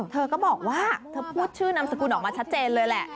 เธอก็บอกว่าเธอพูดชื่อนามสกุลออกมาชัดเจนเลยแหละ